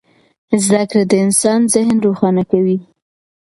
زده کړه د انسان ذهن روښانه کوي.